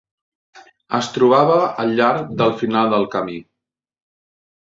Es trobava al llarg del final del camí.